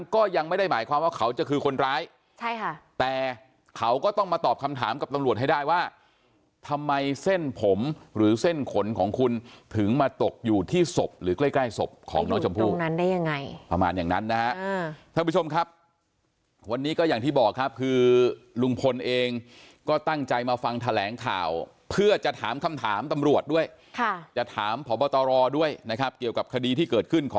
ก็ยังไม่ได้หมายความว่าเขาจะคือคนร้ายใช่ค่ะแต่เขาก็ต้องมาตอบคำถามกับตำรวจให้ได้ว่าทำไมเส้นผมหรือเส้นขนของคุณถึงมาตกอยู่ที่ศพหรือใกล้ศพของน้องชมพู่อยู่ตรงนั้นได้ยังไงประมาณอย่างนั้นนะครับท่านผู้ชมครับวันนี้ก็อย่างที่บอกครับคือลุงพลเองก็ตั้งใจมาฟังแถลงข่าวเพื่อจะถามคำถามตำรวจด้วยค